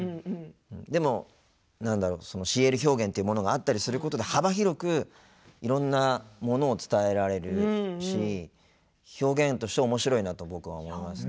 でも、ＣＬ表現というものがあることで幅広くいろんなものを伝えられるし表現として、おもしろいなと僕は思います。